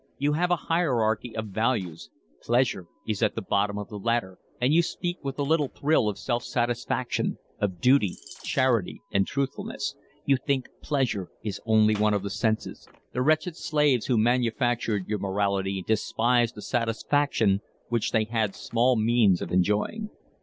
You have a hierarchy of values; pleasure is at the bottom of the ladder, and you speak with a little thrill of self satisfaction, of duty, charity, and truthfulness. You think pleasure is only of the senses; the wretched slaves who manufactured your morality despised a satisfaction which they had small means of enjoying.